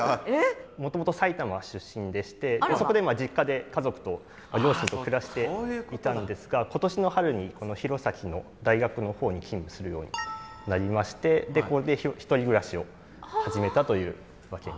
もともと埼玉出身でしてそこで実家で家族と両親と暮らしていたんですが今年の春に弘前の大学の方に勤務するようになりましてで１人暮らしを始めたというわけになります。